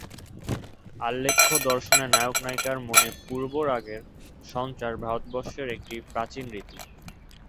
আলেখ্য-দর্শনে নায়ক-নায়িকার মনে পূর্বরাগের সঞ্চার ভারতবর্ষের একটি প্রাচীন রীতি।